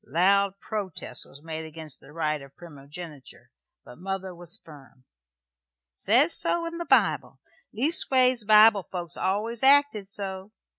Loud protest was made against the right of primogeniture, but mother was firm. "Says so in the Bible. Leastways, Bible folks always acted so.